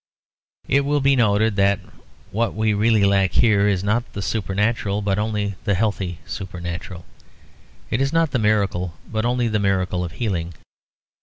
It will be noted that what we really lack here is not the supernatural but only the healthy supernatural. It is not the miracle, but only the miracle of healing.